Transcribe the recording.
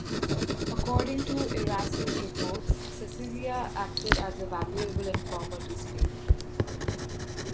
According to Eraso's reports, Cecilia acted as a valuable informer to Spain.